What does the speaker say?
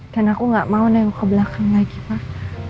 dan aku gak mau naik ke belakang lagi pak